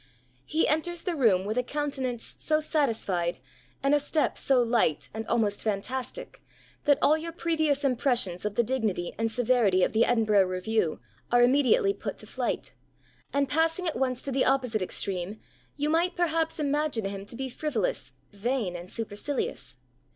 He enters the room with a countenance so satisfied and a step so light and almost fantastic, that all your previous impressions of the dignity and severity of the Edinburgh Review are immediately put to flight, and, passing at once to the opposite extreme, you might, perhaps, imagine him to be frivolous, vain, and supercilious.